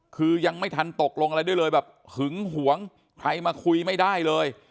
คือยังไม่ทันตกลงอะไรด้วยเลยแบบหึงหวงใครมาคุยไม่ได้เลย